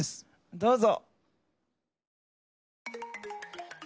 どうぞ。